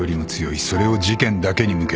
それを事件だけに向けろ。